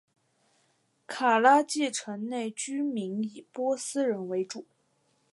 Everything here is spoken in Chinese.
卡拉季城内居民以波斯人为主。